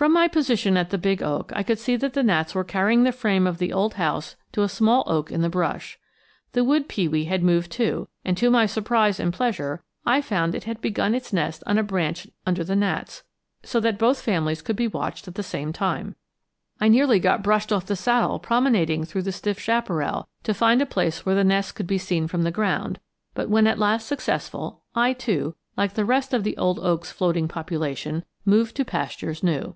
From my position at the big oak I could see that the gnats were carrying the frame of the old house to a small oak in the brush. The wood pewee had moved too, and to my surprise and pleasure I found it had begun its nest on a branch under the gnats, so that both families could be watched at the same time. I nearly got brushed off the saddle promenading through the stiff chaparral to find a place where the nests could be seen from the ground; but when at last successful, I too, like the rest of the old oak's floating population, moved to pastures new.